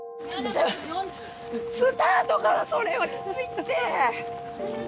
スタートからそれはキツいって！